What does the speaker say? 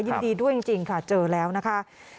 ยินดีด้วยจริงค่ะเจอแล้วนะคะ